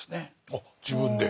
あっ自分で？